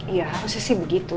iya harusnya sih begitu